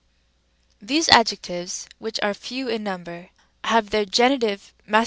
Rem. These adjectives, which are few in number, have their G. mase.